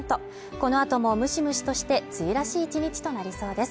この後もムシムシとして梅雨らしい１日となりそうです